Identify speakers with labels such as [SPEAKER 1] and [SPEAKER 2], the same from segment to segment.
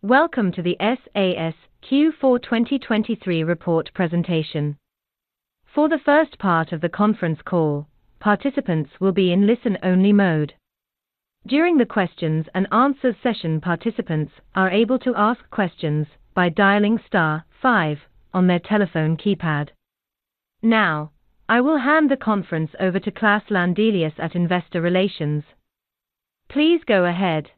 [SPEAKER 1] Welcome to the SAS Q4 2023 report presentation. For the first part of the conference call, participants will be in listen-only mode. During the questions and answers session, participants are able to ask questions by dialing star five on their telephone keypad. Now, I will hand the conference over to Klas Landelius at Investor Relations. Please go ahead.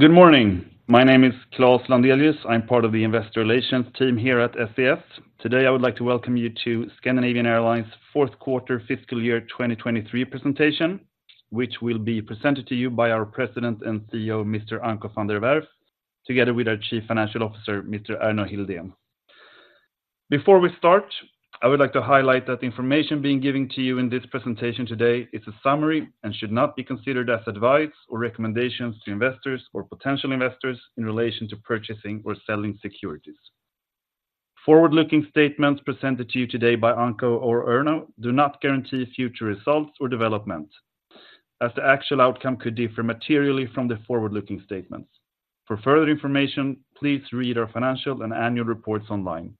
[SPEAKER 2] Good morning. My name is Klas Landelius. I'm part of the Investor Relations team here at SAS. Today, I would like to welcome you to Scandinavian Airlines' Fourth Quarter Fiscal Year 2023 presentation, which will be presented to you by our President and CEO, Mr. Anko van der Werff, together with our Chief Financial Officer, Mr. Erno Hildén. Before we start, I would like to highlight that the information being given to you in this presentation today is a summary and should not be considered as advice or recommendations to investors or potential investors in relation to purchasing or selling securities. Forward-looking statements presented to you today by Anko or Erno do not guarantee future results or development, as the actual outcome could differ materially from the forward-looking statements. For further information, please read our financial and annual reports online.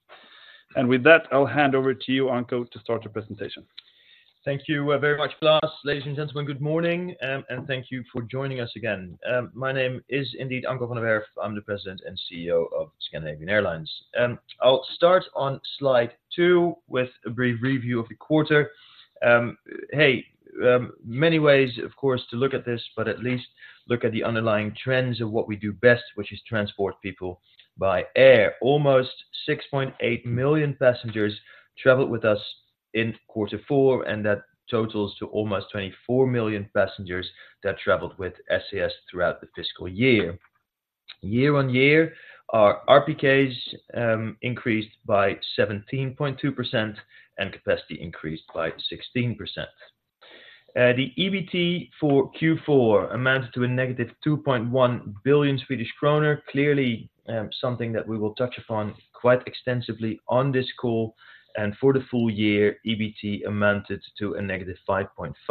[SPEAKER 2] With that, I'll hand over to you, Anko, to start the presentation.
[SPEAKER 3] Thank you very much, Klas. Ladies and gentlemen, good morning, and thank you for joining us again. My name is indeed Anko van der Werff. I'm the President and CEO of Scandinavian Airlines. I'll start on slide two with a brief review of the quarter. Many ways, of course, to look at this, but at least look at the underlying trends of what we do best, which is transport people by air. Almost 6.8 million passengers traveled with us in quarter four, and that totals to almost 24 million passengers that traveled with SAS throughout the fiscal year. Year-on-year, our RPKs increased by 17.2%, and capacity increased by 16%. The EBT for Q4 amounted to a negative 2.1 billion Swedish kronor. Clearly, something that we will touch upon quite extensively on this call, and for the full year, EBT amounted to -5.5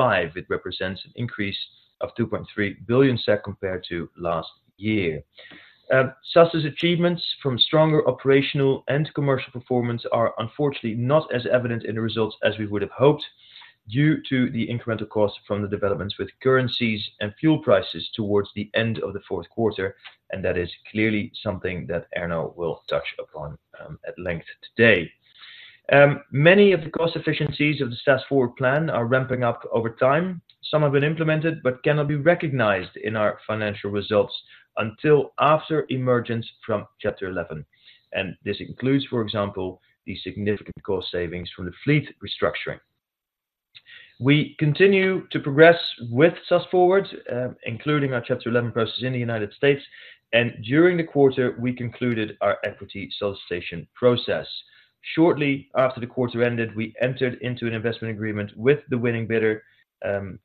[SPEAKER 3] billion. It represents an increase of 2.3 billion SEK compared to last year. SAS's achievements from stronger operational and commercial performance are unfortunately not as evident in the results as we would have hoped, due to the incremental cost from the developments with currencies and fuel prices towards the end of the fourth quarter, and that is clearly something that Erno will touch upon at length today. Many of the cost efficiencies of the SAS Forward plan are ramping up over time. Some have been implemented but cannot be recognized in our financial results until after emergence from Chapter 11, and this includes, for example, the significant cost savings from the fleet restructuring. We continue to progress with SAS Forward, including our Chapter 11 process in the United States, and during the quarter, we concluded our equity solicitation process. Shortly after the quarter ended, we entered into an investment agreement with the winning bidder,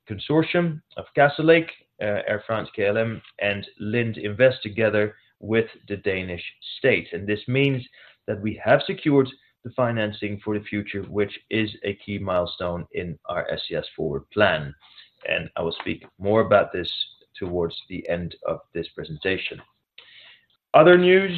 [SPEAKER 3] consortium of Castlelake, Air France-KLM, and Lind Invest together with the Danish State. This means that we have secured the financing for the future, which is a key milestone in our SAS Forward plan, and I will speak more about this towards the end of this presentation. Other news,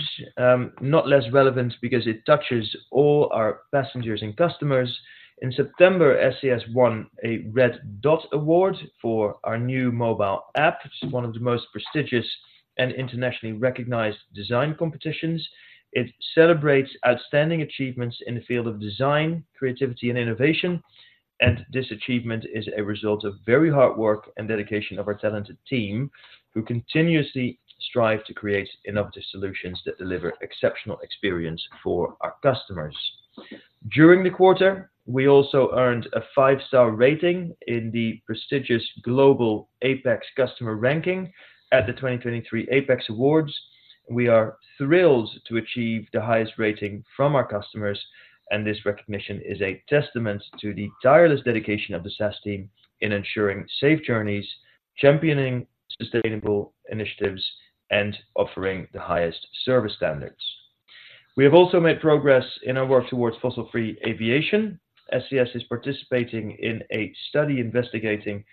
[SPEAKER 3] not less relevant because it touches all our passengers and customers. In September, SAS won a Red Dot Award for our new mobile app. It's one of the most prestigious and internationally recognized design competitions. It celebrates outstanding achievements in the field of design, creativity, and innovation, and this achievement is a result of very hard work and dedication of our talented team, who continuously strive to create innovative solutions that deliver exceptional experience for our customers. During the quarter, we also earned a five-star rating in the prestigious Global APEX Customer Ranking at the 2023 APEX Awards. We are thrilled to achieve the highest rating from our customers, and this recognition is a testament to the tireless dedication of the SAS team in ensuring safe journeys, championing sustainable initiatives, and offering the highest service standards. We have also made progress in our work towards fossil-free aviation. SAS is participating in a study investigating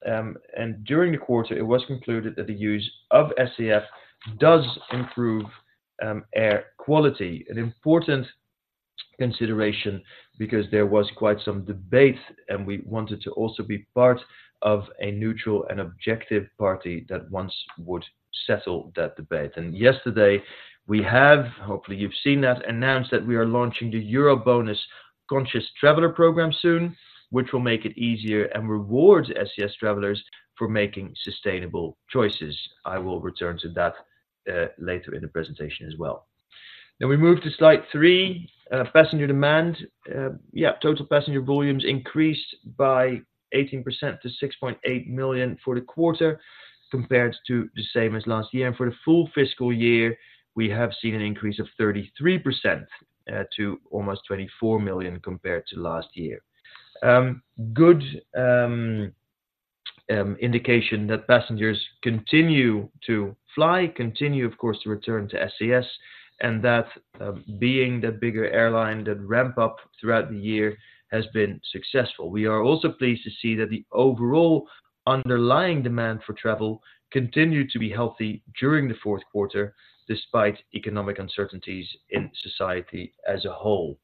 [SPEAKER 3] sustainable aviation fuel flight's impact on local air quality. During the quarter, it was concluded that the use of SAF does improve air quality. An important consideration because there was quite some debate, and we wanted to also be part of a neutral and objective party that once would settle that debate. And yesterday, we have, hopefully, you've seen that, announced that we are launching the EuroBonus Conscious Traveler program soon, which will make it easier and reward SAS travelers for making sustainable choices. I will return to that, later in the presentation as well. Then we move to slide three, passenger demand. Yeah, total passenger volumes increased by 18% to 6.8 million for the quarter, compared to the same as last year. And for the full fiscal year, we have seen an increase of 33%, to almost 24 million compared to last year. Good, indication that passengers continue to fly, continue, of course, to return to SAS, and that, being the bigger airline that ramp up throughout the year has been successful. We are also pleased to see that the overall underlying demand for travel continued to be healthy during the fourth quarter, despite economic uncertainties in society as a whole.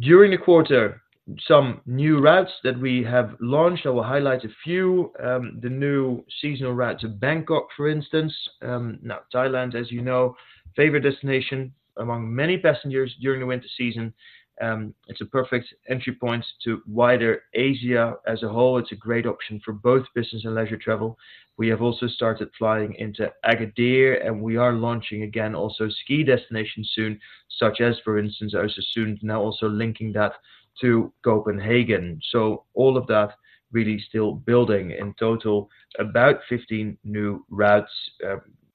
[SPEAKER 3] During the quarter, some new routes that we have launched, I will highlight a few, the new seasonal route to Bangkok, for instance. Now, Thailand, as you know, favorite destination among many passengers during the winter season, it's a perfect entry point to wider Asia as a whole. It's a great option for both business and leisure travel. We have also started flying into Agadir, and we are launching again, also ski destinations soon, such as, for instance, Östersund, now also linking that to Copenhagen. So all of that really still building in total, about 15 new routes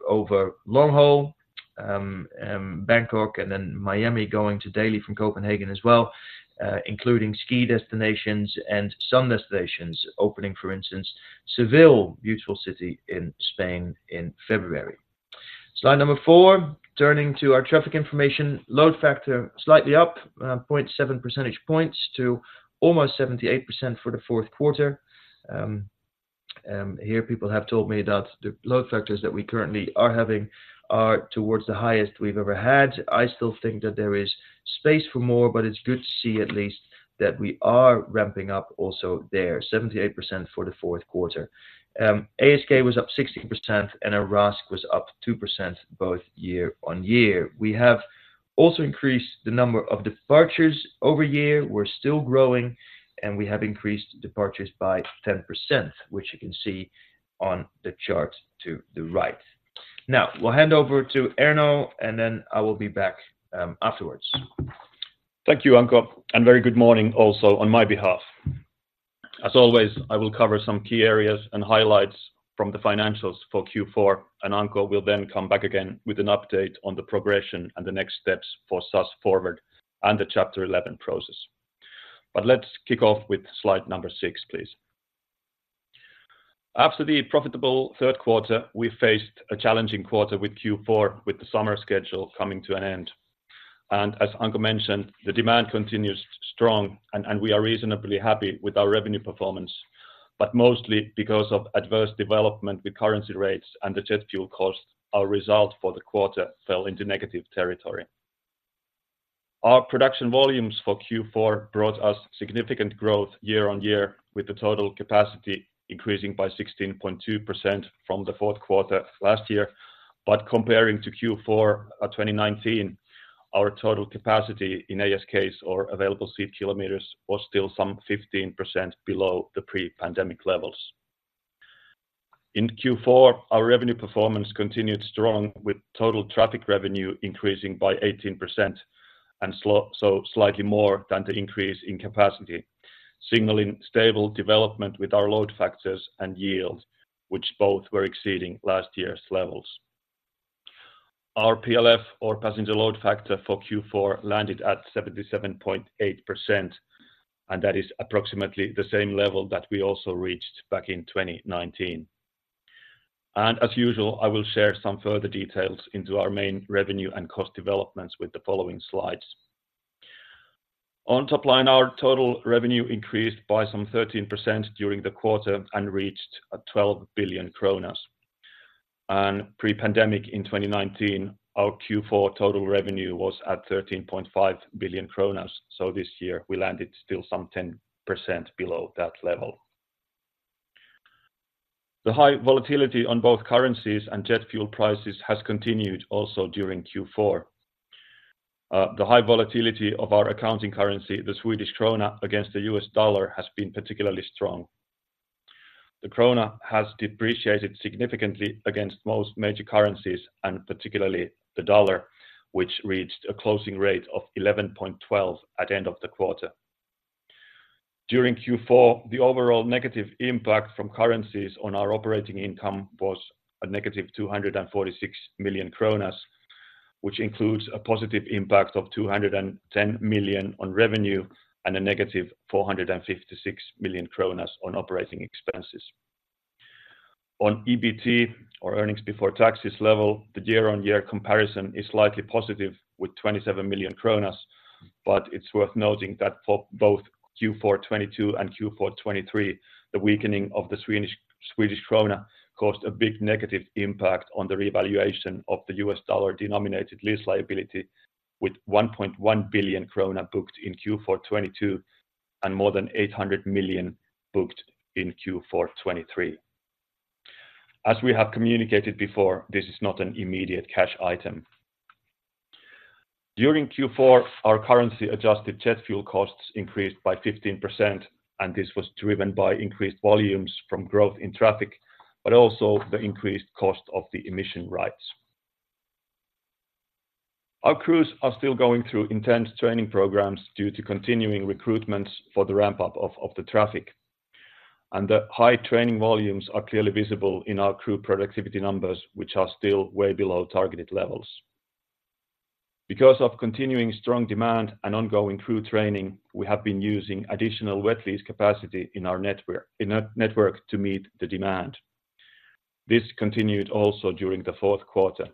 [SPEAKER 3] over long haul, Bangkok, and then Miami going to daily from Copenhagen as well, including ski destinations and some destinations opening, for instance, Seville, beautiful city in Spain in February. Slide number four, turning to our traffic information, load factor, slightly up point seven percentage points to almost 78% for the fourth quarter. Here, people have told me that the load factors that we currently are having are towards the highest we've ever had. I still think that there is space for more, but it's good to see at least that we are ramping up also there, 78% for the fourth quarter. ASK was up 16%, and our RASK was up 2%, both year-on-year. We have also increased the number of departures over year. We're still growing, and we have increased departures by 10%, which you can see on the chart to the right. Now, we'll hand over to Erno, and then I will be back, afterwards.
[SPEAKER 4] Thank you, Anko, and very good morning also on my behalf. As always, I will cover some key areas and highlights from the financials for Q4, and Anko will then come back again with an update on the progression and the next steps for SAS Forward and the Chapter 11 process. But let's kick off with slide number six, please. After the profitable third quarter, we faced a challenging quarter with Q4, with the summer schedule coming to an end. And as Anko mentioned, the demand continues strong and we are reasonably happy with our revenue performance, but mostly because of adverse development with currency rates and the jet fuel cost, our result for the quarter fell into negative territory. Our production volumes for Q4 brought us significant growth year-on-year, with the total capacity increasing by 16.2% from the fourth quarter last year. But comparing to Q4 2019, our total capacity in ASK or available seat kilometers was still some 15% below the pre-pandemic levels. In Q4, our revenue performance continued strong, with total traffic revenue increasing by 18% and so slightly more than the increase in capacity, signaling stable development with our load factors and yield, which both were exceeding last year's levels. Our PLF, or passenger load factor for Q4, landed at 77.8%, and that is approximately the same level that we also reached back in 2019. And as usual, I will share some further details into our main revenue and cost developments with the following slides. On top line, our total revenue increased by some 13% during the quarter and reached 12 billion kronor. Pre-pandemic in 2019, our Q4 total revenue was at 13.5 billion kronor, so this year we landed still some 10% below that level. The high volatility on both currencies and jet fuel prices has continued also during Q4. The high volatility of our accounting currency, the Swedish krona, against the US dollar, has been particularly strong. The krona has depreciated significantly against most major currencies, and particularly the dollar, which reached a closing rate of 11.12 at the end of the quarter. During Q4, the overall negative impact from currencies on our operating income was a negative 246 million kronor, which includes a positive impact of 210 million on revenue and a negative 456 million kronor on operating expenses. On EBT, or earnings before taxes level, the year-on-year comparison is slightly positive with 27 million kronor, but it's worth noting that for both Q4 2022 and Q4 2023, the weakening of the Swedish, Swedish krona caused a big negative impact on the revaluation of the US dollar-denominated lease liability, with 1.1 billion krona booked in Q4 2022 and more than 800 million booked in Q4 2023. As we have communicated before, this is not an immediate cash item. During Q4, our currency-adjusted jet fuel costs increased by 15%, and this was driven by increased volumes from growth in traffic, but also the increased cost of the emission rights. Our crews are still going through intense training programs due to continuing recruitments for the ramp-up of the traffic, and the high training volumes are clearly visible in our crew productivity numbers, which are still way below targeted levels. Because of continuing strong demand and ongoing crew training, we have been using additional wet lease capacity in our network to meet the demand. This continued also during the fourth quarter.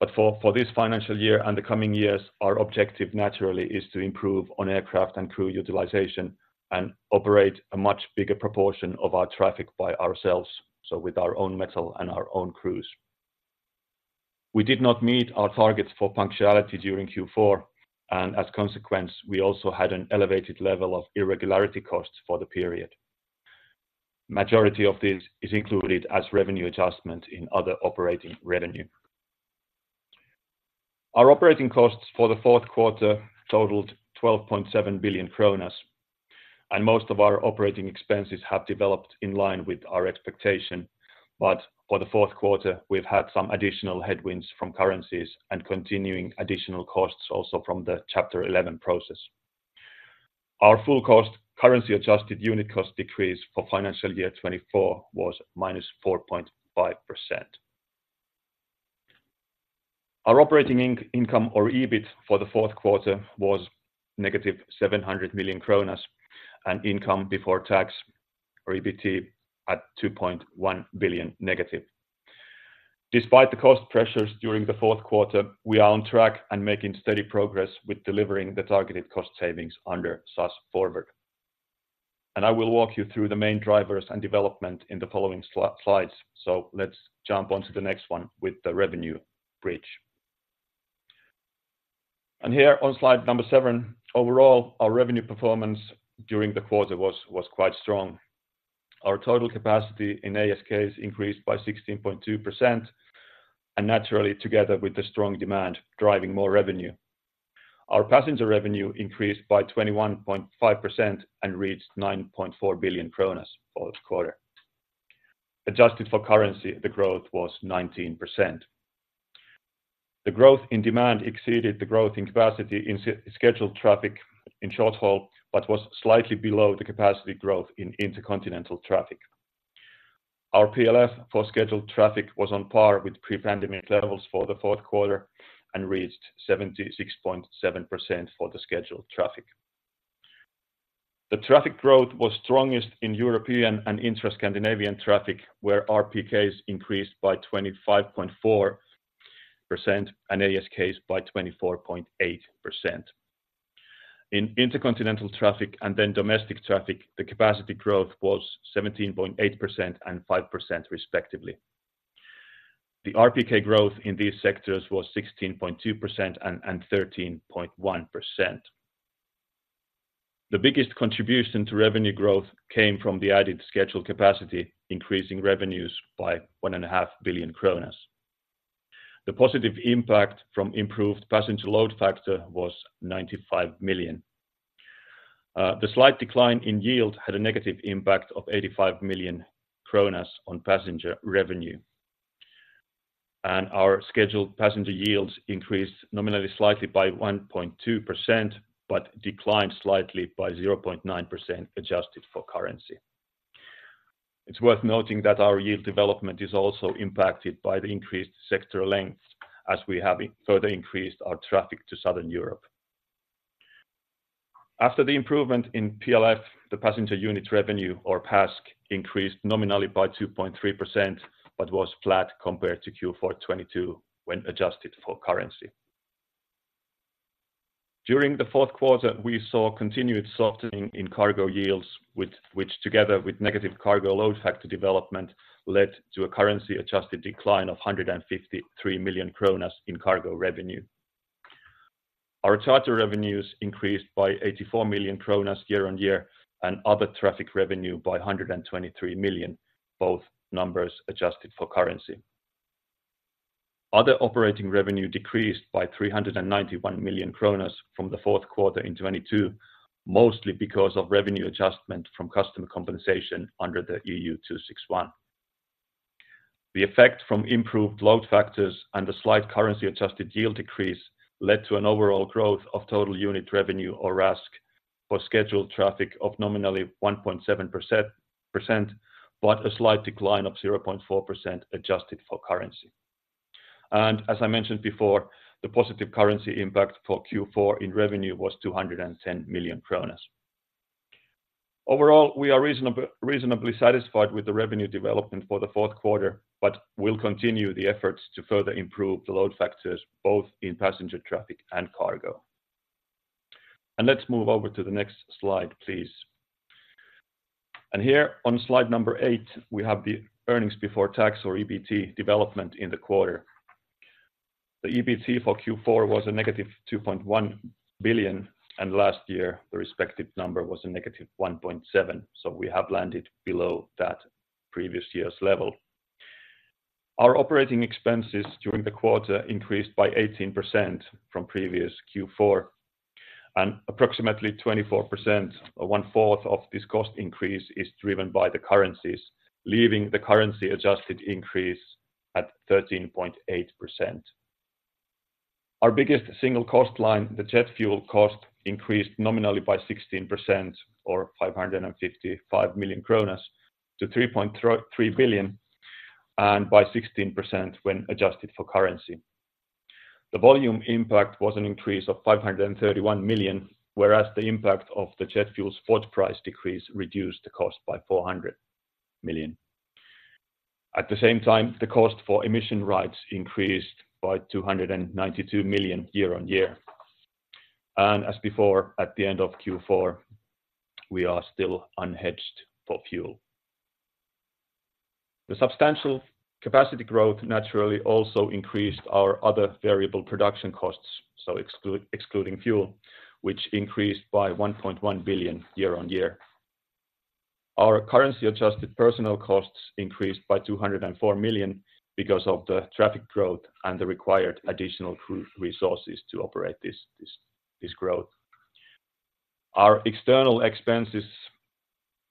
[SPEAKER 4] But for this financial year and the coming years, our objective naturally is to improve on aircraft and crew utilization and operate a much bigger proportion of our traffic by ourselves, so with our own metal and our own crews. We did not meet our targets for punctuality during Q4, and as a consequence, we also had an elevated level of irregularity costs for the period. Majority of this is included as revenue adjustment in other operating revenue. Our operating costs for the fourth quarter totaled 12.7 billion kronor, and most of our operating expenses have developed in line with our expectation. But for the fourth quarter, we've had some additional headwinds from currencies and continuing additional costs also from the Chapter 11 process. Our full cost, currency adjusted unit cost decrease for financial year 2024 was -4.5%. Our operating income, or EBIT, for the fourth quarter was negative 700 million kronor, and income before tax, or EBT, at -2.1 billion. Despite the cost pressures during the fourth quarter, we are on track and making steady progress with delivering the targeted cost savings under SAS Forward. I will walk you through the main drivers and development in the following slides, so let's jump on to the next one with the revenue bridge. Here on slide seven, overall, our revenue performance during the quarter was quite strong. Our total capacity in ASK increased by 16.2%, and naturally, together with the strong demand, driving more revenue. Our passenger revenue increased by 21.5% and reached 9.4 billion kronor for the quarter. Adjusted for currency, the growth was 19%. The growth in demand exceeded the growth in capacity in scheduled traffic in short haul, but was slightly below the capacity growth in intercontinental traffic. Our PLF for scheduled traffic was on par with pre-pandemic levels for the fourth quarter and reached 76.7% for the scheduled traffic. The traffic growth was strongest in European and intra-Scandinavian traffic, where RPKs increased by 25.4% and ASK by 24.8%. In intercontinental traffic and then domestic traffic, the capacity growth was 17.8% and 5% respectively. The RPK growth in these sectors was 16.2% and 13.1%. The biggest contribution to revenue growth came from the added scheduled capacity, increasing revenues by 1.5 billion kronor. The positive impact from improved passenger load factor was 95 million. The slight decline in yield had a negative impact of 85 million kronor on passenger revenue. And our scheduled passenger yields increased nominally slightly by 1.2%, but declined slightly by 0.9% adjusted for currency. It's worth noting that our yield development is also impacted by the increased sector lengths, as we have further increased our traffic to Southern Europe. After the improvement in PLF, the passenger unit revenue, or PASK, increased nominally by 2.3%, but was flat compared to Q4 2022 when adjusted for currency. During the fourth quarter, we saw continued softening in cargo yields, which together with negative cargo load factor development, led to a currency-adjusted decline of 153 million kronor in cargo revenue. Our charter revenues increased by 84 million kronor year-on-year, and other traffic revenue by 123 million, both numbers adjusted for currency. Other operating revenue decreased by 391 million kronor from the fourth quarter in 2022, mostly because of revenue adjustment from customer compensation under the EU 261. The effect from improved load factors and a slight currency-adjusted yield decrease led to an overall growth of total unit revenue, or RASK, for scheduled traffic of nominally 1.7%, but a slight decline of 0.4% adjusted for currency. As I mentioned before, the positive currency impact for Q4 in revenue was 210 million kronor. Overall, we are reasonable, reasonably satisfied with the revenue development for the fourth quarter, but we'll continue the efforts to further improve the load factors, both in passenger traffic and cargo. Let's move over to the next slide, please. Here on slide number 8, we have the earnings before tax, or EBT, development in the quarter. The EBT for Q4 was a negative 2.1 billion, and last year, the respective number was a negative 1.7 billion, so we have landed below that previous year's level. Our operating expenses during the quarter increased by 18% from previous Q4, and approximately 24%, or one fourth of this cost increase, is driven by the currencies, leaving the currency-adjusted increase at 13.8%. Our biggest single cost line, the jet fuel cost, increased nominally by 16% or 555 million kronas to 3 billion, and by 16% when adjusted for currency. The volume impact was an increase of 531 million, whereas the impact of the jet fuel's forward price decrease reduced the cost by 400 million. At the same time, the cost for emission rights increased by 292 million year-on-year. And as before, at the end of Q4, we are still unhedged for fuel. The substantial capacity growth naturally also increased our other variable production costs, so excluding fuel, which increased by 1.1 billion year-on-year. Our currency-adjusted personnel costs increased by 204 million because of the traffic growth and the required additional crew resources to operate this growth. Our external expenses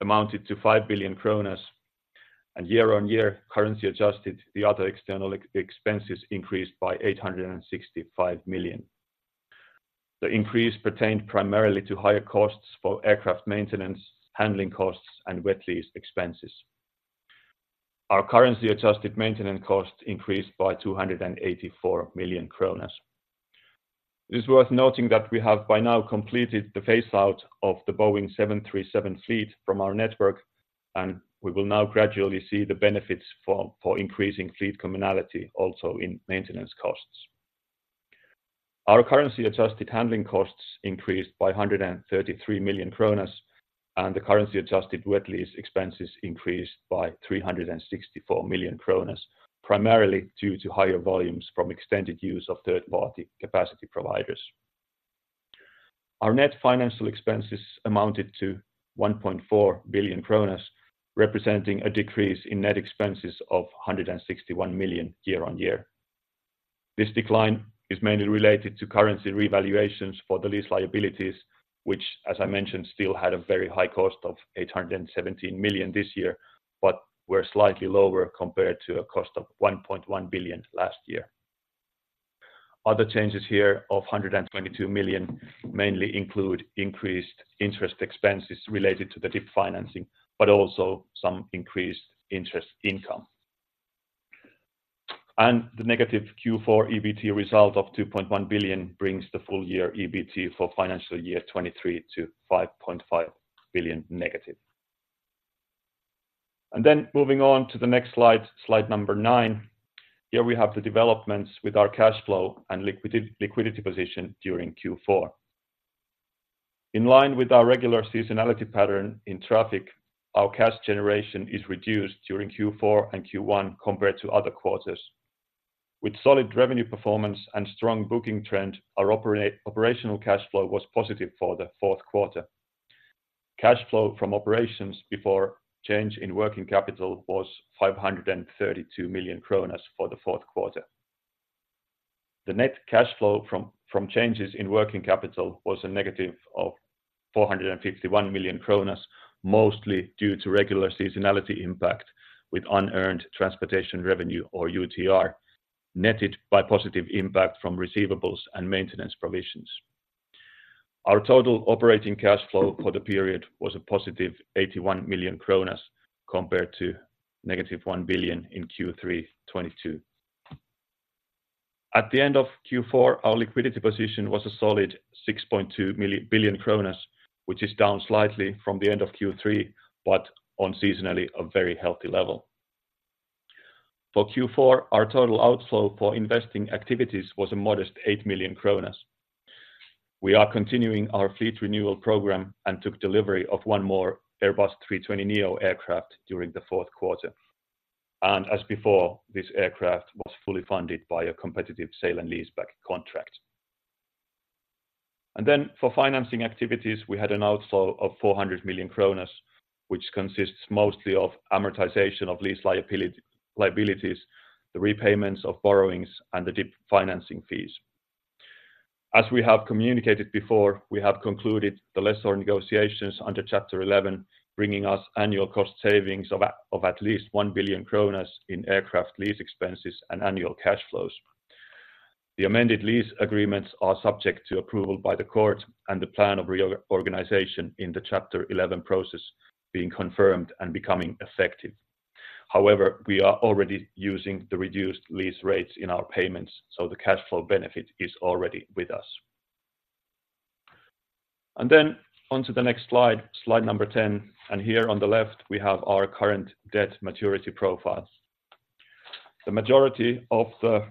[SPEAKER 4] amounted to 5 billion kronor, and year-on-year, currency adjusted, the other external expenses increased by 865 million. The increase pertained primarily to higher costs for aircraft maintenance, handling costs, and wet lease expenses. Our currency-adjusted maintenance costs increased by 284 million kronor. It is worth noting that we have by now completed the phase out of the Boeing 737 fleet from our network, and we will now gradually see the benefits for increasing fleet commonality also in maintenance costs. Our currency-adjusted handling costs increased by 133 million kronor, and the currency-adjusted wet lease expenses increased by 364 million kronor, primarily due to higher volumes from extended use of third-party capacity providers. Our net financial expenses amounted to 1.4 billion kronor, representing a decrease in net expenses of 161 million year on year. This decline is mainly related to currency revaluations for the lease liabilities, which, as I mentioned, still had a very high cost of 817 million this year, but were slightly lower compared to a cost of 1.1 billion last year. Other changes here of 122 million mainly include increased interest expenses related to the DIP financing, but also some increased interest income. The negative Q4 EBT result of 2.1 billion brings the full year EBT for financial year 2023 to 5.5 billion negative. Then moving on to the next slide, slide number nine. Here we have the developments with our cash flow and liquidity position during Q4. In line with our regular seasonality pattern in traffic, our cash generation is reduced during Q4 and Q1 compared to other quarters. With solid revenue performance and strong booking trend, our operational cash flow was positive for the fourth quarter. Cash flow from operations before change in working capital was 532 million kronor for the fourth quarter. The net cash flow from changes in working capital was a negative 451 million kronor, mostly due to regular seasonality impact with unearned transportation revenue, or UTR, netted by positive impact from receivables and maintenance provisions. Our total operating cash flow for the period was a positive 81 million kronor, compared to negative 1 billion in Q3 2022. At the end of Q4, our liquidity position was a solid 6.2 billion kronor, which is down slightly from the end of Q3, but on seasonally, a very healthy level. For Q4, our total outflow for investing activities was a modest 8 million kronor. We are continuing our fleet renewal program and took delivery of one more A320neo aircraft during the fourth quarter, and as before, this aircraft was fully funded by a competitive sale and leaseback contract. Then for financing activities, we had an outflow of 400 million kronor, which consists mostly of amortization of lease liabilities, the repayments of borrowings, and the DIP financing fees. As we have communicated before, we have concluded the lessor negotiations under Chapter 11, bringing us annual cost savings of at least 1 billion kronor in aircraft lease expenses and annual cash flows. The amended lease agreements are subject to approval by the court and the plan of reorganization in the Chapter 11 process being confirmed and becoming effective. However, we are already using the reduced lease rates in our payments, so the cash flow benefit is already with us. Then on to the next slide, slide number 10, and here on the left, we have our current debt maturity profiles. The majority of the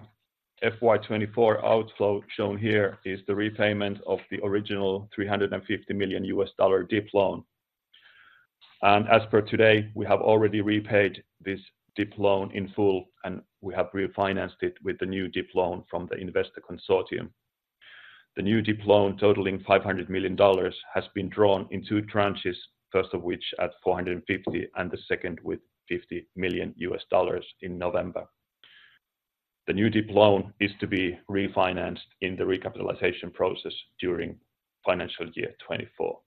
[SPEAKER 4] FY 2024 outflow shown here is the repayment of the original $350 million US dollar DIP loan. As per today, we have already repaid this DIP loan in full, and we have refinanced it with the new DIP loan from the investor consortium. The new DIP loan, totaling $500 million, has been drawn in two tranches, first of which at $450 million, and the second with $50 million in November. The new DIP loan is to be refinanced in the recapitalization process during financial year 2024.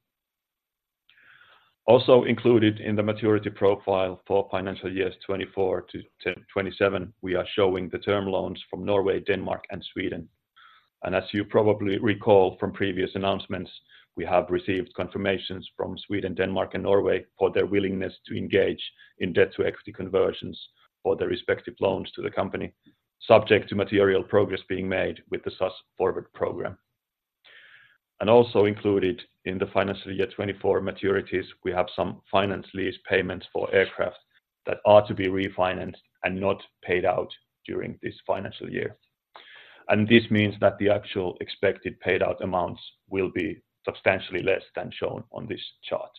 [SPEAKER 4] Also included in the maturity profile for financial years 2024-2027, we are showing the term loans from Norway, Denmark, and Sweden. As you probably recall from previous announcements, we have received confirmations from Sweden, Denmark, and Norway for their willingness to engage in debt-to-equity conversions for their respective loans to the company, subject to material progress being made with the SAS Forward program. Also included in the financial year 2024 maturities, we have some finance lease payments for aircraft that are to be refinanced and not paid out during this financial year. This means that the actual expected paid-out amounts will be substantially less than shown on this chart.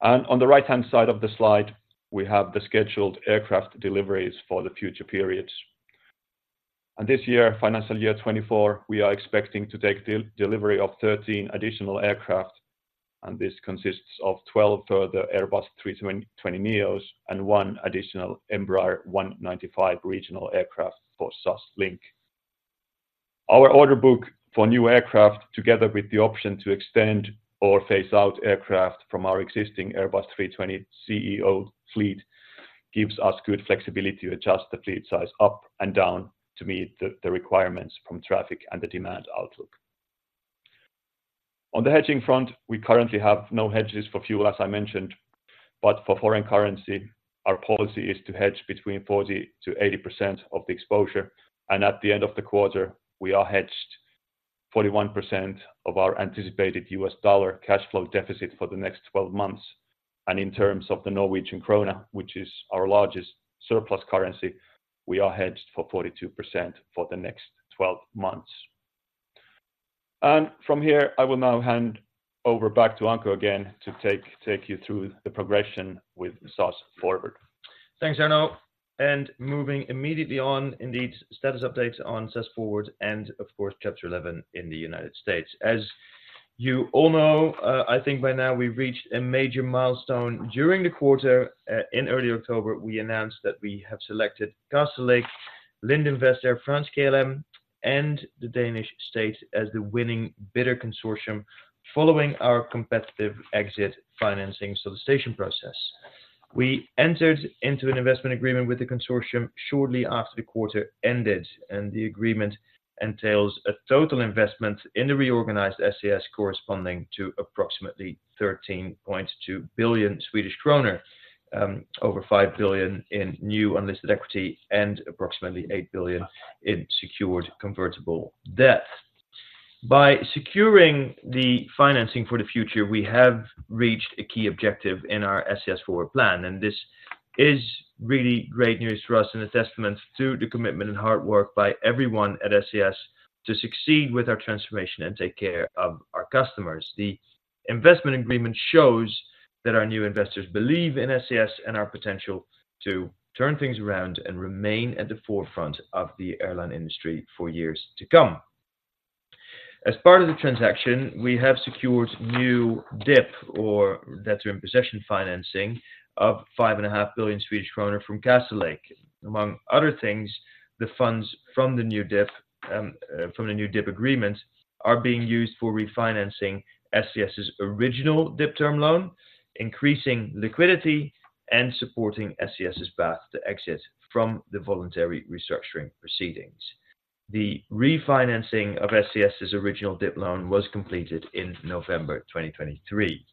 [SPEAKER 4] On the right-hand side of the slide, we have the scheduled aircraft deliveries for the future periods. This year, financial year 2024, we are expecting to take delivery of 13 additional aircraft, and this consists of 12 further Airbus A320neos and one additional Embraer E195 regional aircraft for SAS Link. Our order book for new aircraft, together with the option to extend or phase out aircraft from our existing Airbus A320ceo fleet, gives us good flexibility to adjust the fleet size up and down to meet the requirements from traffic and the demand outlook. On the hedging front, we currently have no hedges for fuel, as I mentioned, but for foreign currency, our policy is to hedge between 40% to 80% of the exposure, and at the end of the quarter, we are hedged 41% of our anticipated US dollar cash flow deficit for the next 12 months. And in terms of the Norwegian krone, which is our largest surplus currency, we are hedged for 42% for the next 12 months. And from here, I will now hand over back to Anko again to take you through the progression with SAS Forward.
[SPEAKER 3] Thanks, Anko, and moving immediately on, indeed, status updates on SAS Forward and of course, Chapter 11 in the United States. As you all know, I think by now we've reached a major milestone. During the quarter, in early October, we announced that we have selected Castlelake, Lind Invest, Air France-KLM, and the Danish State as the winning bidder consortium, following our competitive exit financing solicitation process. We entered into an investment agreement with the consortium shortly after the quarter ended, and the agreement entails a total investment in the reorganized SAS, corresponding to approximately 13.2 billion Swedish kronor, over 5 billion in new unlisted equity and approximately 8 billion in secured convertible debt. By securing the financing for the future, we have reached a key objective in our SAS Forward plan, and this is really great news for us, and a testament to the commitment and hard work by everyone at SAS to succeed with our transformation and take care of our customers. The investment agreement shows that our new investors believe in SAS and our potential to turn things around and remain at the forefront of the airline industry for years to come. As part of the transaction, we have secured new DIP, or debtor-in-possession financing, of 5.5 billion Swedish kronor from Castlelake. Among other things, the funds from the new DIP agreement are being used for refinancing SAS's original DIP term loan, increasing liquidity, and supporting SAS's path to exit from the voluntary restructuring proceedings. The refinancing of SAS's original DIP loan was completed in November 2023.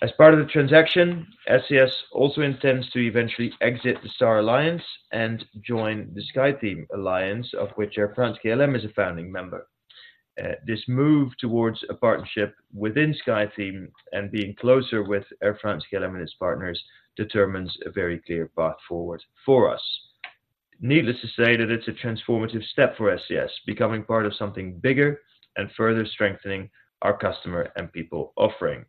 [SPEAKER 3] As part of the transaction, SAS also intends to eventually exit the Star Alliance and join the SkyTeam Alliance, of which Air France-KLM is a founding member. This move towards a partnership within SkyTeam and being closer with Air France-KLM and its partners, determines a very clear path forward for us. Needless to say, that it's a transformative step for SAS, becoming part of something bigger and further strengthening our customer and people offering.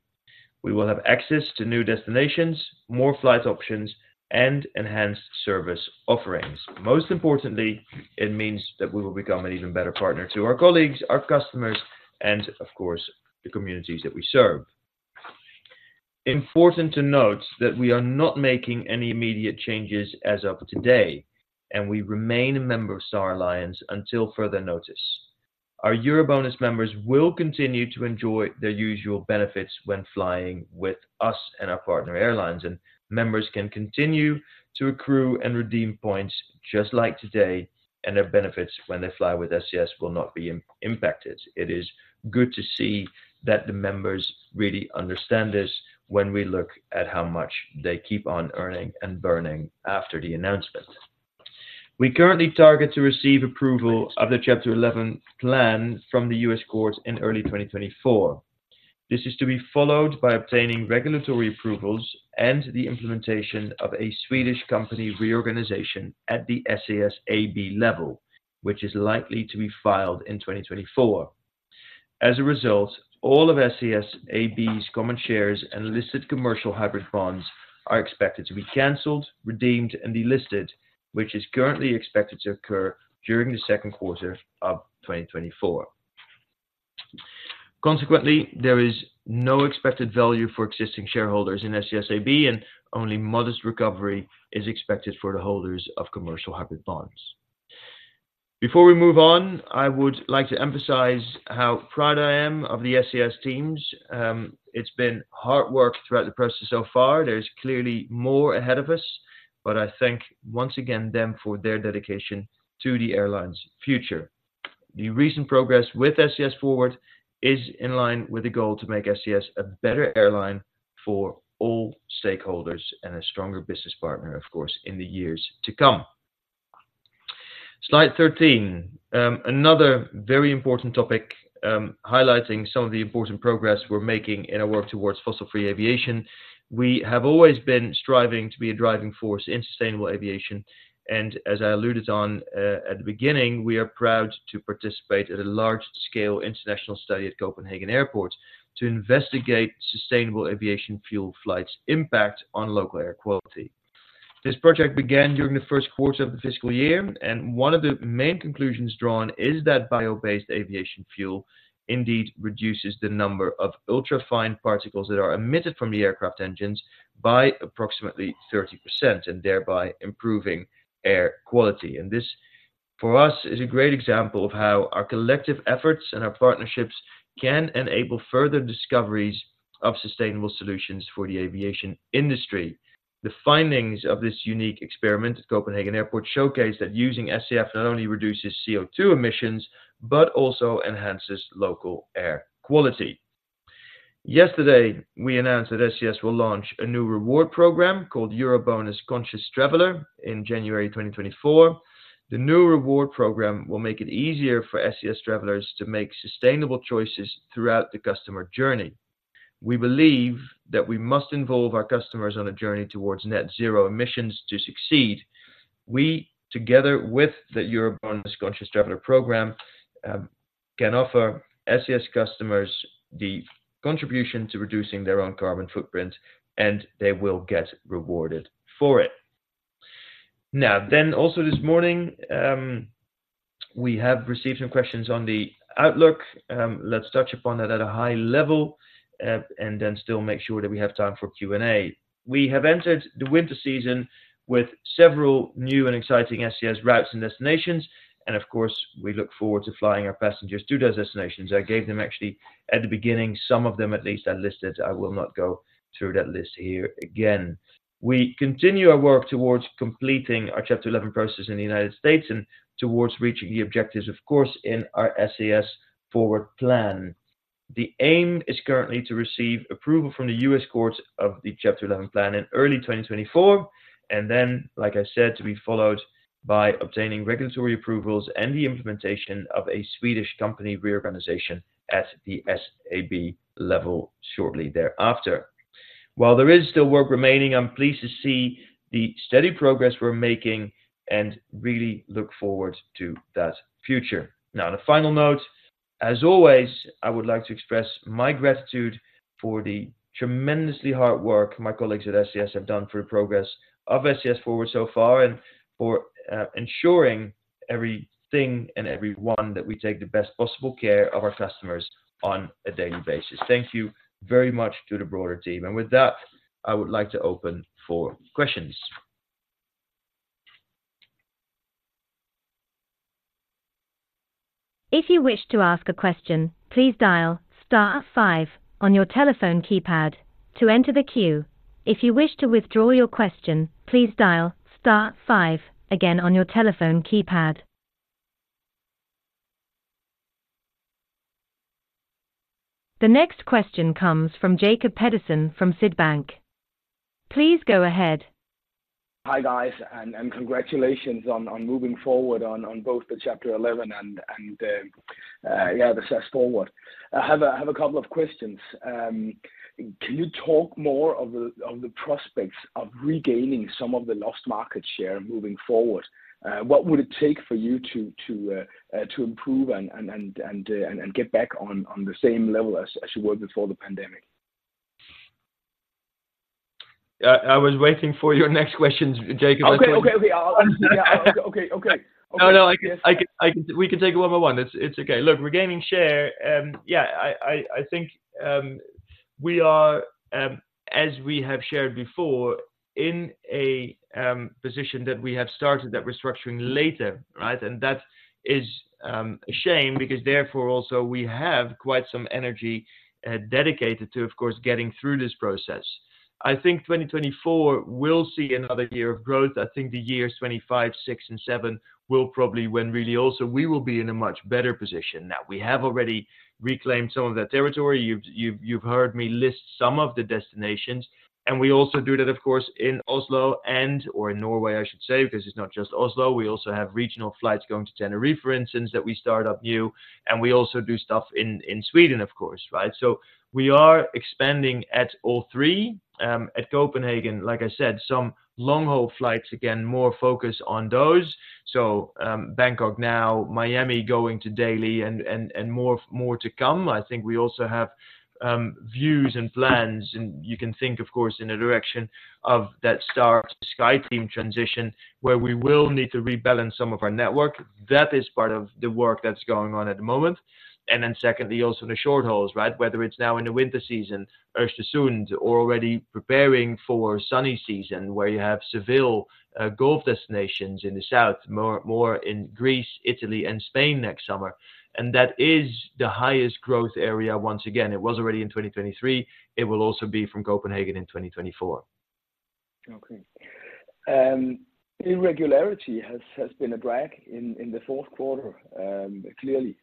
[SPEAKER 3] We will have access to new destinations, more flight options, and enhanced service offerings. Most importantly, it means that we will become an even better partner to our colleagues, our customers, and of course, the communities that we serve. Important to note that we are not making any immediate changes as of today, and we remain a member of Star Alliance until further notice. Our EuroBonus members will continue to enjoy their usual benefits when flying with us and our partner airlines, and members can continue to accrue and redeem points just like today, and their benefits when they fly with SAS will not be impacted. It is good to see that the members really understand this when we look at how much they keep on earning and burning after the announcement. We currently target to receive approval of the Chapter 11 plan from the U.S. courts in early 2024. This is to be followed by obtaining regulatory approvals and the implementation of a Swedish company reorganization at the SAS AB level, which is likely to be filed in 2024. As a result, all of SAS AB's common shares and listed commercial hybrid bonds are expected to be canceled, redeemed, and delisted, which is currently expected to occur during the second quarter of 2024. Consequently, there is no expected value for existing shareholders in SAS AB, and only modest recovery is expected for the holders of commercial hybrid bonds. Before we move on, I would like to emphasize how proud I am of the SAS teams. It's been hard work throughout the process so far. There's clearly more ahead of us. But I thank once again them for their dedication to the airline's future. The recent progress with SAS Forward is in line with the goal to make SAS a better airline for all stakeholders and a stronger business partner, of course, in the years to come. Slide 13, another very important topic, highlighting some of the important progress we're making in our work towards fossil-free aviation. We have always been striving to be a driving force in sustainable aviation, and as I alluded on at the beginning, we are proud to participate at a large-scale international study at Copenhagen Airport to investigate sustainable aviation fuel flights impact on local air quality. This project began during the first quarter of the fiscal year, and one of the main conclusions drawn is that bio-based aviation fuel indeed reduces the number of ultra-fine particles that are emitted from the aircraft engines by approximately 30%, and thereby improving air quality. And this, for us, is a great example of how our collective efforts and our partnerships can enable further discoveries of sustainable solutions for the aviation industry. The findings of this unique experiment at Copenhagen Airport showcase that using SAF not only reduces CO2 emissions, but also enhances local air quality. Yesterday, we announced that SAS will launch a new reward program called EuroBonus Conscious Traveler in January 2024. The new reward program will make it easier for SAS travelers to make sustainable choices throughout the customer journey. We believe that we must involve our customers on a journey towards net zero emissions to succeed. We, together with the EuroBonus Conscious Traveler program, can offer SAS customers the contribution to reducing their own carbon footprint, and they will get rewarded for it. Now, then, also this morning, we have received some questions on the outlook. Let's touch upon that at a high level, and then still make sure that we have time for Q&A. We have entered the winter season with several new and exciting SAS routes and destinations, and of course, we look forward to flying our passengers to those destinations. I gave them actually at the beginning, some of them at least, I listed. I will not go through that list here again. We continue our work towards completing our Chapter 11 process in the United States and towards reaching the objectives, of course, in our SAS Forward plan. The aim is currently to receive approval from the US courts of the Chapter 11 plan in early 2024, and then, like I said, to be followed by obtaining regulatory approvals and the implementation of a Swedish company reorganization at the SAS AB level shortly thereafter. While there is still work remaining, I'm pleased to see the steady progress we're making and really look forward to that future. Now, the final note, as always, I would like to express my gratitude for the tremendously hard work my colleagues at SAS have done for the progress of SAS Forward so far, and for ensuring everything and everyone, that we take the best possible care of our customers on a daily basis. Thank you very much to the broader team. And with that, I would like to open for questions.
[SPEAKER 1] If you wish to ask a question, please dial star five on your telephone keypad to enter the queue. If you wish to withdraw your question, please dial star five again on your telephone keypad. The next question comes from Jacob Pedersen from Sydbank. Please go ahead.
[SPEAKER 5] Hi, guys, and congratulations on moving forward on both the Chapter 11 and, yeah, the SAS Forward. I have a couple of questions. Can you talk more of the prospects of regaining some of the lost market share moving forward? What would it take for you to to improve and and get back on the same level as you were before the pandemic?
[SPEAKER 3] I was waiting for your next questions, Jacob.
[SPEAKER 5] Okay, okay, okay. Okay, okay.
[SPEAKER 3] No, no, I can, I can. We can take it one by one. It's, it's okay. Look, regaining share, yeah, I think, we are, as we have shared before, in a position that we have started that restructuring later, right? And that is a shame, because therefore, also, we have quite some energy dedicated to, of course, getting through this process. I think 2024, we'll see another year of growth. I think the years 2025, 2026, and 2027 will probably when really also we will be in a much better position. Now, we have already reclaimed some of that territory. You've, you've, you've heard me list some of the destinations, and we also do that, of course, in Oslo and or in Norway, I should say, because it's not just Oslo. We also have regional flights going to Tenerife, for instance, that we start up new, and we also do stuff in Sweden, of course, right? So we are expanding at all three. At Copenhagen, like I said, some long-haul flights, again, more focused on those. So, Bangkok now, Miami going to daily and more to come. I think we also have views and plans, and you can think, of course, in the direction of that Star to SkyTeam transition, where we will need to rebalance some of our network. That is part of the work that's going on at the moment. And then secondly, also the short hauls, right? Whether it's now in the winter season, or soon, or already preparing for summer season, where you have Seville, golf destinations in the south, more in Greece, Italy, and Spain next summer. That is the highest growth area once again. It was already in 2023, it will also be from Copenhagen in 2024.
[SPEAKER 5] Okay. Irregularity has been a drag in the fourth quarter, clearly.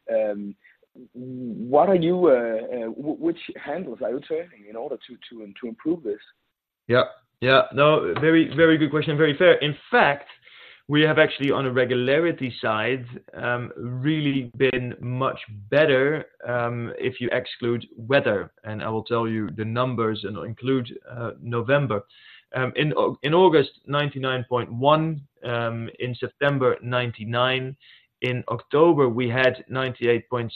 [SPEAKER 5] Which handles are you turning in order to improve this?
[SPEAKER 3] Yeah, yeah. No, very, very good question, very fair. In fact, we have actually, on a regularity side, really been much better, if you exclude weather, and I will tell you the numbers, and I'll include November. In August, 99.1%, in September, 99%. In October, we had 98.6%,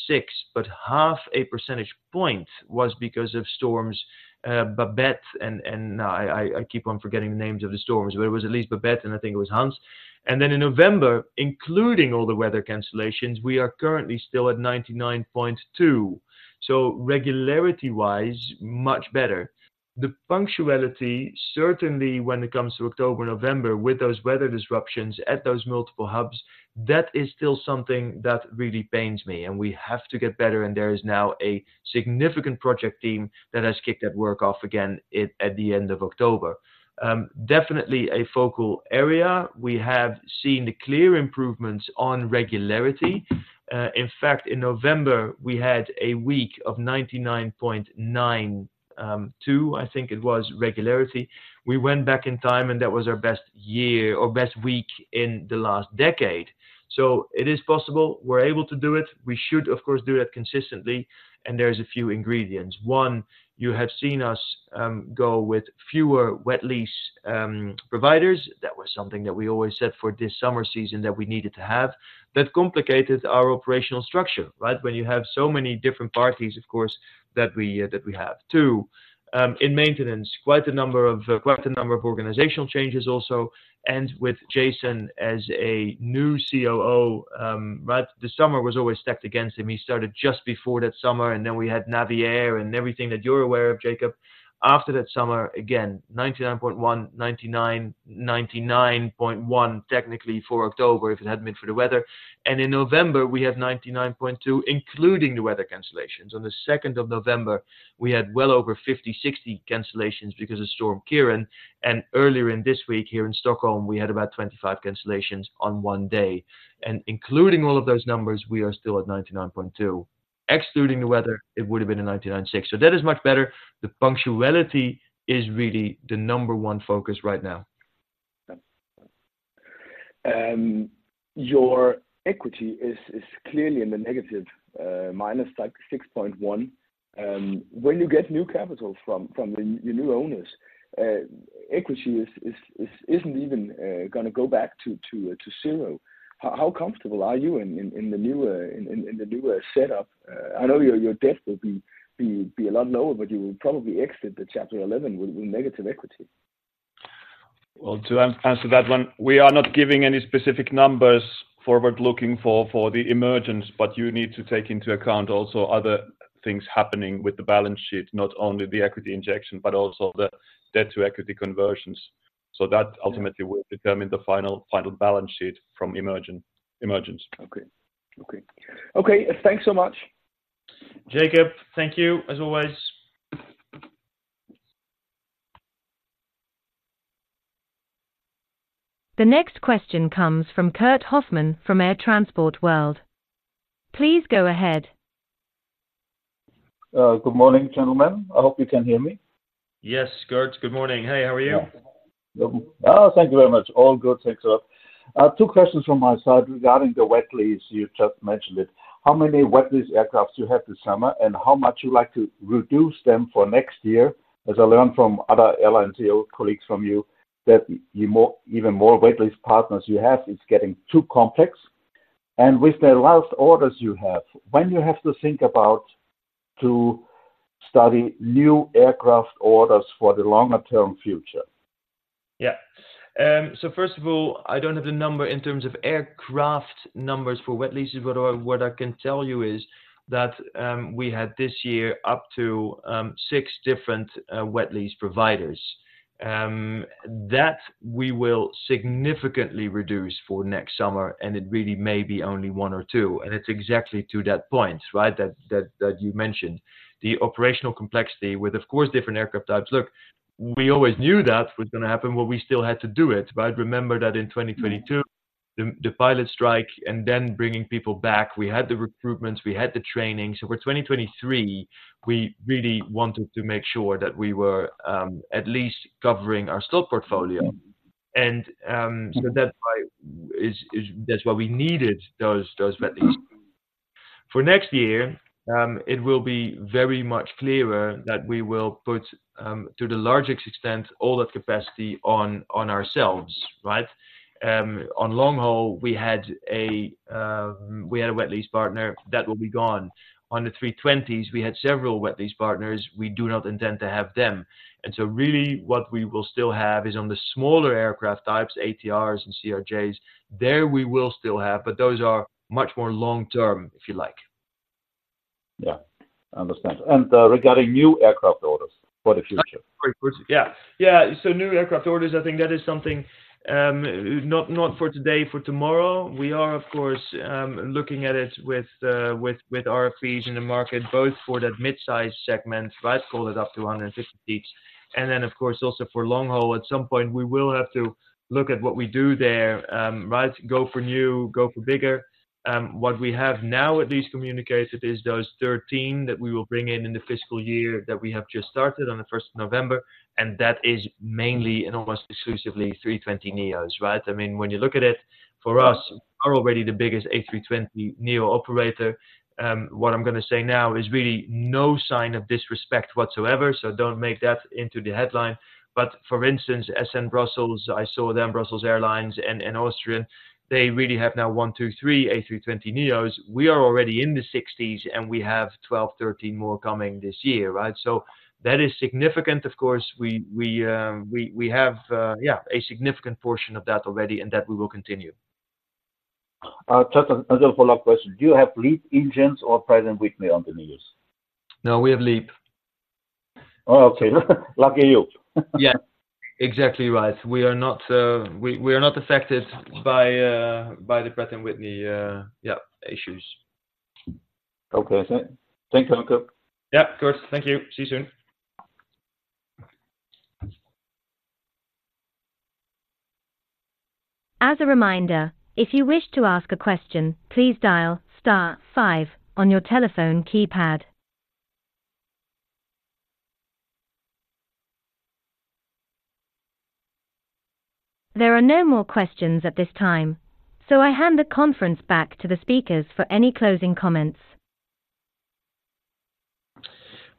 [SPEAKER 3] but half a percentage point was because of storms, Babet and I keep on forgetting the names of the storms, but it was at least Babet, and I think it was Hans. And then in November, including all the weather cancellations, we are currently still at 99.2%. So regularity-wise, much better. The punctuality, certainly when it comes to October, November, with those weather disruptions at those multiple hubs, that is still something that really pains me, and we have to get better, and there is now a significant project team that has kicked that work off again at the end of October. Definitely a focal area. We have seen the clear improvements on regularity. In fact, in November, we had a week of 99.92% regularity. We went back in time, and that was our best year or best week in the last decade. So it is possible, we're able to do it. We should, of course, do that consistently, and there's a few ingredients. One, you have seen us go with fewer wet lease providers. That was something that we always said for this summer season that we needed to have. That complicated our operational structure, right? When you have so many different parties, of course, that we, that we have. Two, in maintenance, quite a number of, quite a number of organizational changes also, and with Jason as a new COO, right? The summer was always stacked against him. He started just before that summer, and then we had Norwegian and everything that you're aware of, Jacob. After that summer, again, 99.1, 99, 99.1, technically for October, if it hadn't been for the weather. And in November, we had 99.2, including the weather cancellations. On the second of November, we had well over 50, 60 cancellations because of Storm Ciarán, and earlier in this week, here in Stockholm, we had about 25 cancellations on one day. And including all of those numbers, we are still at 99.2. Excluding the weather, it would have been a 99.6. So that is much better. The punctuality is really the number one focus right now.
[SPEAKER 5] Your equity is clearly in the negative, minus like 6.1 billion. When you get new capital from your new owners, equity isn't even gonna go back to zero. How comfortable are you in the new setup? I know your debt will be a lot lower, but you will probably exit the Chapter 11 with negative equity.
[SPEAKER 3] Well, to answer that one, we are not giving any specific numbers forward-looking for the emergence, but you need to take into account also other things happening with the balance sheet, not only the equity injection, but also the debt-to-equity conversions. So that ultimately will determine the final, final balance sheet from emergence.
[SPEAKER 5] Okay. Okay. Okay, thanks so much.
[SPEAKER 3] Jacob, thank you, as always.
[SPEAKER 1] The next question comes from Kurt Hofmann from Air Transport World. Please go ahead.
[SPEAKER 6] Good morning, gentlemen. I hope you can hear me.
[SPEAKER 3] Yes, Kurt, good morning. Hey, how are you?
[SPEAKER 6] Oh, thank you very much. All good. Thanks a lot. Two questions from my side regarding the wet lease, you just mentioned it. How many wet lease aircraft do you have this summer, and how much you like to reduce them for next year? As I learned from other airline CEO colleagues from you, that you more even more wet lease partners you have, it's getting too complex. And with the last orders you have, when you have to think about to study new aircraft orders for the longer-term future?
[SPEAKER 3] Yeah. So first of all, I don't have the number in terms of aircraft numbers for wet leases, but what I can tell you is that we had this year up to six different wet lease providers. That we will significantly reduce for next summer, and it really may be only one or two. And it's exactly to that point, right? That you mentioned, the operational complexity with, of course, different aircraft types. Look, we always knew that was gonna happen, but we still had to do it, right? Remember that in 2022, the pilot strike and then bringing people back, we had the recruitments, we had the training. So for 2023, we really wanted to make sure that we were at least covering our slot portfolio. And so that's why we needed those wet leases. For next year, it will be very much clearer that we will put, to the largest extent, all that capacity on ourselves, right? On long haul, we had a wet lease partner that will be gone. On the 320s, we had several wet lease partners. We do not intend to have them. And so really what we will still have is on the smaller aircraft types, ATRs and CRJs, there we will still have, but those are much more long term, if you like.
[SPEAKER 6] Yeah, I understand. Regarding new aircraft orders for the future?
[SPEAKER 3] Great question. Yeah. Yeah, so new aircraft orders, I think that is something, not for today, for tomorrow. We are, of course, looking at it with RFPs in the market, both for that mid-size segment, right? Call it up to 150 seats. And then, of course, also for long haul, at some point, we will have to look at what we do there, right? Go for new, go for bigger. What we have now at least communicated is those 13 that we will bring in, in the fiscal year that we have just started on the first of November, and that is mainly and almost exclusively A320neos, right? I mean, when you look at it, for us, are already the biggest A320neo operator. What I'm gonna say now is really no sign of disrespect whatsoever, so don't make that into the headline. But for instance, SN Brussels, I saw them, Brussels Airlines and Austrian, they really have now one, two, three, A320neos. We are already in the 60s, and we have 12, 13 more coming this year, right? So that is significant. Of course, we have, yeah, a significant portion of that already, and that we will continue.
[SPEAKER 6] Just another follow-up question. Do you have LEAP engines or Pratt & Whitney on the neos?
[SPEAKER 3] No, we have LEAP.
[SPEAKER 6] Oh, okay. Lucky you.
[SPEAKER 3] Yeah, exactly right. We are not affected by the Pratt & Whitney issues.
[SPEAKER 6] Okay. Thanks, Anko.
[SPEAKER 3] Yeah, of course. Thank you. See you soon.
[SPEAKER 1] As a reminder, if you wish to ask a question, please dial star five on your telephone keypad. There are no more questions at this time, so I hand the conference back to the speakers for any closing comments.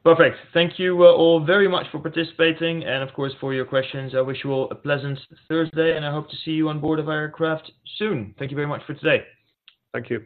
[SPEAKER 3] Perfect. Thank you, all very much for participating, and of course, for your questions. I wish you all a pleasant Thursday, and I hope to see you on board of our aircraft soon. Thank you very much for today.
[SPEAKER 4] Thank you.